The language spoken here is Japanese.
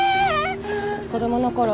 子供のころ